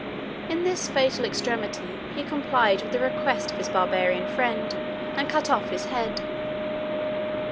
In this fatal extremity, he complied with the request of his Barbarian friend, and cut off his head.